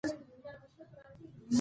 هر څوک باید خپل حد وپیژني.